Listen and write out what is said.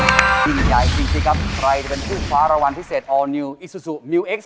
จริงใหญ่จริงจริงครับใครจะเป็นคู่ฟ้าระวัลพิเศษออร์นิวอิซูซูมิวเอ็กซ์